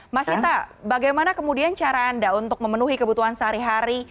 mas ita bagaimana kemudian cara anda untuk memenuhi kebutuhan sehari hari